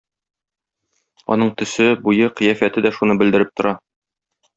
Аның төсе, буе, кыяфәте дә шуны белдереп тора.